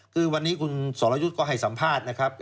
คือวันนี้คุณสรยุทธ์ก็ให้สัมภาษณ์นะครับ